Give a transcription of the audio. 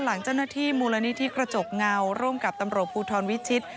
หลังเจ้าหน้าที่มูลนิธิกระจกเงาร่วมกับตำรวจภูทรวิชิต